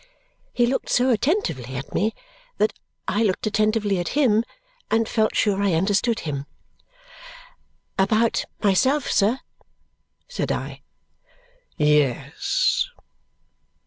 He looked so attentively at me that I looked attentively at him and felt sure I understood him. "About myself, sir?" said I. "Yes."